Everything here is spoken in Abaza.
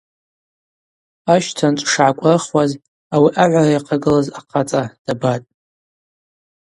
Ащтанчӏв шгӏакӏврыхуаз ауи агӏвара йахъагылаз ахъацӏа дабатӏ.